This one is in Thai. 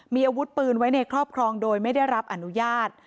มีอาวุธปืนไว้ในครอบครองโดยไม่ได้รับอนุญาต